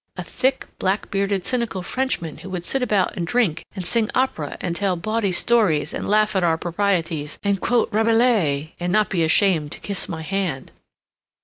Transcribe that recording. a thick, black bearded, cynical Frenchman who would sit about and drink and sing opera and tell bawdy stories and laugh at our proprieties and quote Rabelais and not be ashamed to kiss my hand!"